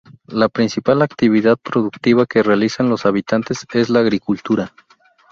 La principal actividad productiva que realizan los habitantes es la agricultura.